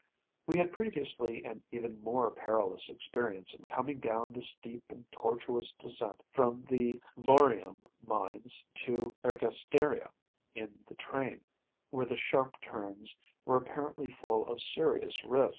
We had previously an even more perilous experience in coming down the steep and tortuous descent from the Laurium mines to Ergasteria in the train, where the sharp turns were apparently full of serious risk.